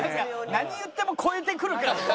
何言っても超えてくるからさ。